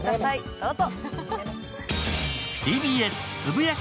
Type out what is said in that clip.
どうぞ。